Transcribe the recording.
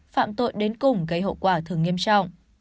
phạm tội đến cùng gây hậu quả thường nghiêm trọng